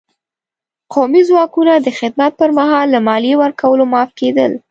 قومي ځواکونه د خدمت په مهال له مالیې ورکولو معاف کېدل.